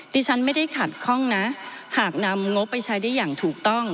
ดิฉันไม่ได้ขัดข้องนะหากนำงบไปใช้ได้อย่างถูกต้อง